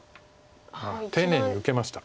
丁寧に受けました。